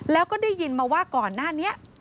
แล้วก็ได้ยินมาว่าก่อนหน้านี้